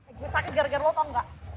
gue sakit gara gara lo tau gak